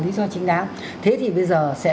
lý do chính đáng thế thì bây giờ sẽ